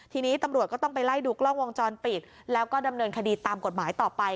ทีนี้ตำรวจก็ต้องไปไล่ดูกล้องวงจรปิดแล้วก็ดำเนินคดีตามกฎหมายต่อไป